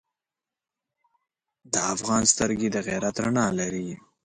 د افغان سترګې د غیرت رڼا لري.